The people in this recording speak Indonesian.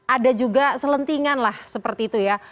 ada juga selentingan lah seperti itu ya